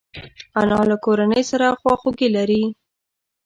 انا له کورنۍ سره خواخوږي لري